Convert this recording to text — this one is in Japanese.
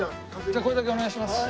じゃあこれだけお願いします。